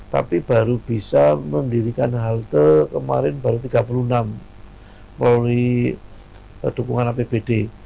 tapi baru bisa mendirikan halte kemarin baru tiga puluh enam polri dukungan apbd